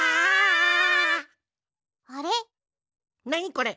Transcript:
これ。